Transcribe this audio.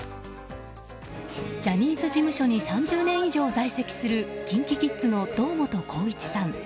ジャニーズ事務所に３０年以上在籍するＫｉｎＫｉＫｉｄｓの堂本光一さん。